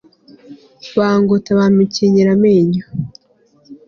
bangota bampekenyera amenyo